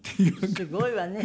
すごいわね。